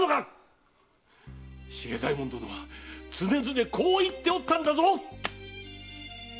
茂左衛門殿は常々こう言っておったんだぞ！